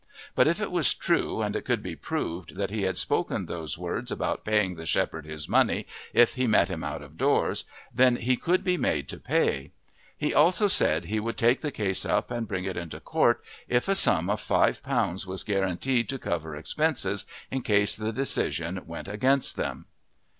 But if it was true and it could be proved that he had spoken those words about paying the shepherd his money if he met him out of doors, then he could be made to pay. He also said he would take the case up and bring it into court if a sum of five pounds was guaranteed to cover expenses in case the decision went against them.